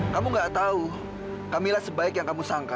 kamu enggak tahu camilla sebaik yang kamu sangka